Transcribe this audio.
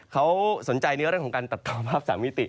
เขาสนใจในเรื่องของการตัดต่อภาพ๓มิติ